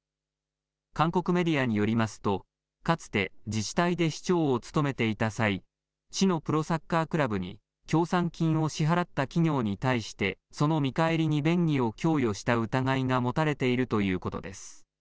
韓国メディアによりますと、かつて自治体で市長を務めていた際、市のプロサッカークラブに、協賛金を支払った企業に対して、その見返りに便宜を供与した疑いが持たれているということです。